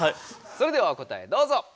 それではお答えどうぞ！